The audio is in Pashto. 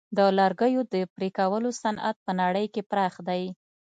د لرګیو د پرې کولو صنعت په نړۍ کې پراخ دی.